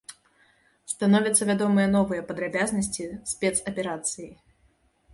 Становяцца вядомыя новыя падрабязнасці спецаперацыі.